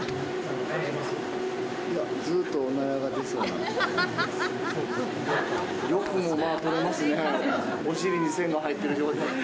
いや、ずっとおならが出そうな感じです。